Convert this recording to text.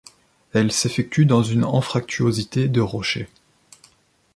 Elle s'effectue dans une anfractuosité de rochers.